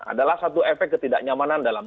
adalah satu efek ketidaknyamanan dalam